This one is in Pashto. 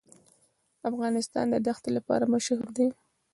افغانستان د دښتې لپاره مشهور دی.